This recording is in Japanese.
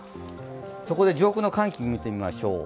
そこで上空の寒気を見てみましょう。